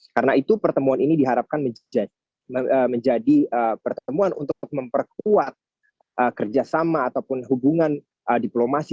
karena itu pertemuan ini diharapkan menjadi pertemuan untuk memperkuat kerjasama ataupun hubungan diplomasi